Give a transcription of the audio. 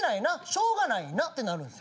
しょうがないな」ってなるんです。